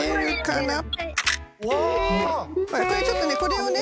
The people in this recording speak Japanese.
これちょっとねこれをね。